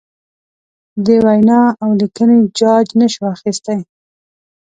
د وینا اولیکنې جاج نشو اخستی.